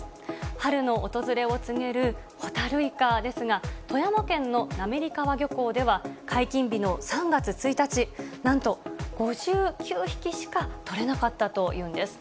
春の訪れを告げるホタルイカですが、富山県の滑川漁港では、解禁日の３月１日、なんと５９匹しか取れなかったというんです。